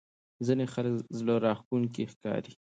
ځینې خلک زړه راښکونکي ښکاري.